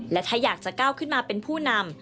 และถ้าอยากจะก้าวขึ้นมาเป็นผู้นำ